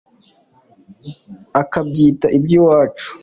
akabyita iby”iwacu